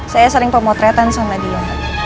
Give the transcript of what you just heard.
saya sering pemotretan sama dia